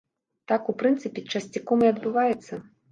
Так, у прынцыпе, часцяком і адбываецца.